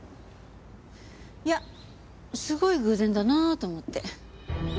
いやすごい偶然だなあと思って。